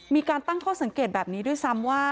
มีการตั้งข้อสังเกตแบบนี้ด้วยซ้ำว่า